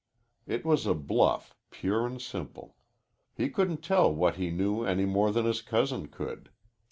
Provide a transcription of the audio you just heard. It was a bluff pure and simple. He couldn't tell what he knew any more than his cousin could.